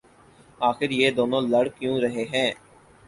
آخر یہ دونوں لڑ کیوں رہے ہیں